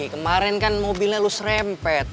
kemarin kan mobilnya lo serempet